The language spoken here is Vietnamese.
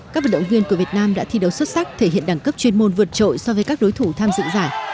các vận động viên của việt nam đã thi đấu xuất sắc thể hiện đẳng cấp chuyên môn vượt trội so với các đối thủ tham dự giải